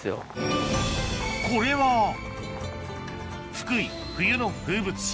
福井冬の風物詩